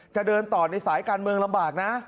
จะเดินต่อในสายการเมืองลำบากนะ